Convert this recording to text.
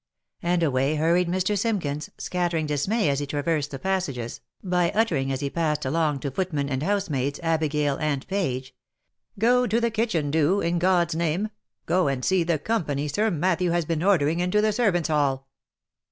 And away hurried Mr. Simkins, scattering dismay as he traversed the passages, by uttering as he passed along to footmen and housemaids, abigail and page, " Go to the kitchen, do, in God's name! go and see the company Sir Matthew has been ordering into the servants' hall